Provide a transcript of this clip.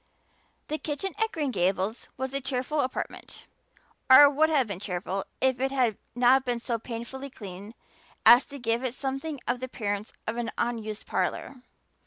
The kitchen at Green Gables was a cheerful apartment or would have been cheerful if it had not been so painfully clean as to give it something of the appearance of an unused parlor.